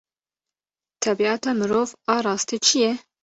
Tebîata mirov a rastî çi ye?